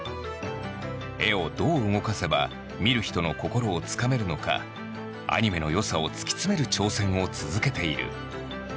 絵をどう動かせば見る人の心をつかめるのかアニメの良さを突き詰める挑戦を続けている。